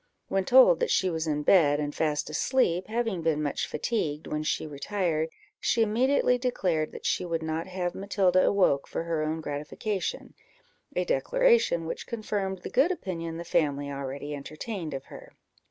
When told that she was in bed, and fast asleep, having been much fatigued when she retired, she immediately declared that she would not have Matilda awoke for her own gratification a declaration which confirmed the good opinion the family already entertained of her.